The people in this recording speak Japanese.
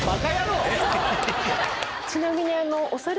ちなみに。